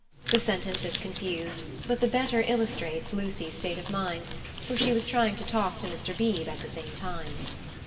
The sentence is confused, but the better illustrates Lucy's state of mind, for she was trying to talk to Mr. Beebe at the same time.